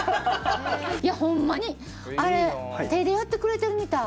いやホンマにあれ手でやってくれてるみたい。